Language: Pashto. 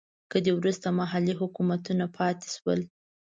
له دې وروسته محلي حکومتونه پاتې شول.